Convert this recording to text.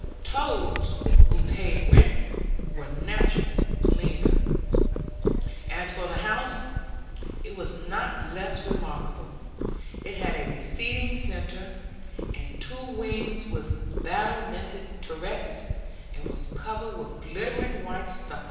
Toads who paid rent were naturally leaner. As for the house, it was not less remarkable; it had a receding centre, and two wings with battlemented turrets, and was covered with glittering white stucco.